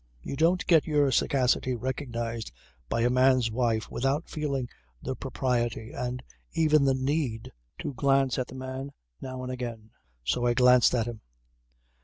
You don't get your sagacity recognized by a man's wife without feeling the propriety and even the need to glance at the man now and again. So I glanced at him.